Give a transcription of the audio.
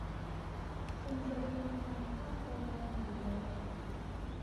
คุณจะเดินทางข้ามไปตอนกี่โมง